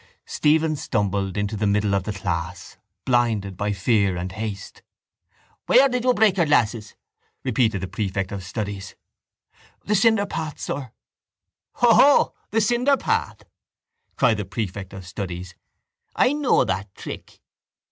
Stephen stumbled into the middle of the class, blinded by fear and haste. —Where did you break your glasses? repeated the prefect of studies. —The cinderpath, sir. —Hoho! The cinderpath! cried the prefect of studies. I know that trick.